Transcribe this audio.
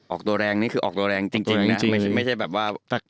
ออกตัวแรงนี่คือออกตัวแรงจริงจริงนะออกตัวแรงจริงจริงไม่ใช่แบบว่าแต่